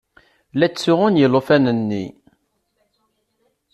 La ttsuɣun yilufanen-nni.